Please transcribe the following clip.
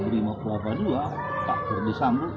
berima kelapa dua tak terbisa mbak